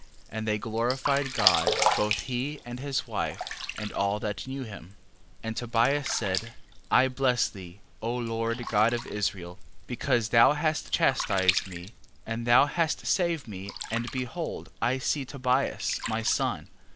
11:16. And they glorified God, both he and his wife and all that knew him. 11:17. And Tobias said: I bless thee, O Lord God of Israel, because thou hast chastised me, and thou hast saved me and behold I see Tobias my son.